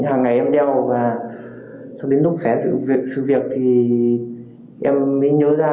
hàng ngày em đeo và xong đến lúc xé sự việc thì em mới nhớ ra